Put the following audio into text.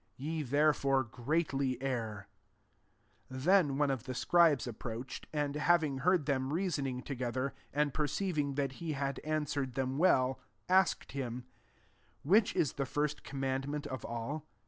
Ye therefore greatly err." 28 Then one of the scribes approached, and, having heard them reasoning together, and perceiving that he had answer ed them well, asked him, " Which is the first command ment of all